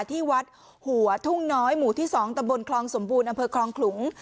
ที่วัดหัวทุ่งน้อยหมู่ที่๒ตะบนคลองสมบูรณ์อำเภอคลองขลุง